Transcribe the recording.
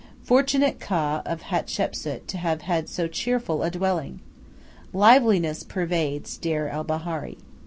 Fortunate Ka of Hatshepsu to have had so cheerful a dwelling! Liveliness pervades Deir el Bahari.